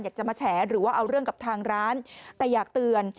อยากจะมาแฉหรือว่าเอาเรื่องกับทางร้านแต่อยากเตือน